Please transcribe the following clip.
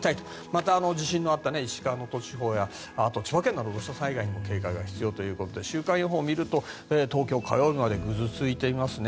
また、地震のあった石川・能登地方やあと千葉県など、土砂災害にも警戒が必要ということで週間予報を見ると東京、火曜日までぐずついていますね。